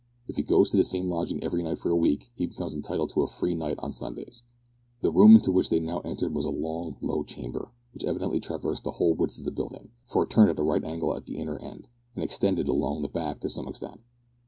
If he goes to the same lodging every night for a week he becomes entitled to a free night on Sundays." The room into which they now entered was a long low chamber, which evidently traversed the whole width of the building, for it turned at a right angle at the inner end, and extended along the back to some extent.